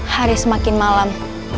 hari semakin malam